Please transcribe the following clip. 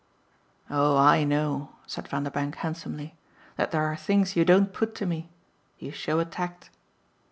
"Oh I know," said Vanderbank handsomely, "that there are things you don't put to me! You show a tact!"